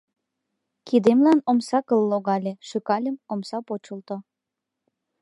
Кидемлан омса кыл логале, шӱкальым — омса почылто.